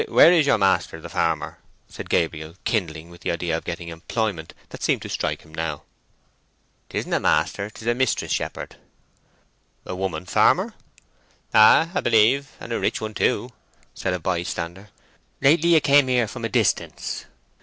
"Where is your master the farmer?" asked Gabriel, kindling with the idea of getting employment that seemed to strike him now. "'Tisn't a master; 'tis a mistress, shepherd." "A woman farmer?" "Ay, 'a b'lieve, and a rich one too!" said a bystander. "Lately 'a came here from a distance.